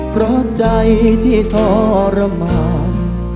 เพราะใจที่ทรมาน